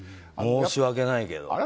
申し訳ないけど。